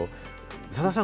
さださん